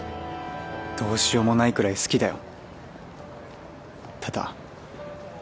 どうしようもないくらい好きだよ。